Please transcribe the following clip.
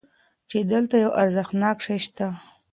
چې دلته یو ارزښتناک شی شته.